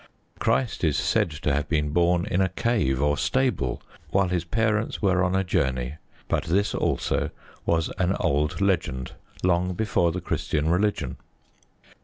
Christ is said to have been born in a cave or stable while His parents were on a journey. But this also was an old legend long before the Christian religion.